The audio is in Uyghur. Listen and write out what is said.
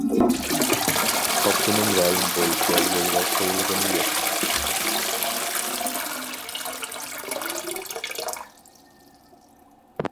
ئاپتونوم رايون بويىچە يولغا قويۇلغىنى يوق.